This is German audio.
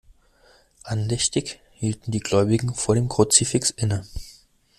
Andächtig hielten die Gläubigen vor dem Kruzifix inne.